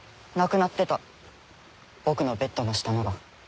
なくなってた僕のベッドの下のが。